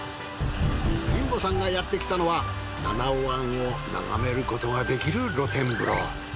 神保さんがやってきたのは七尾湾を眺めることができる露天風呂。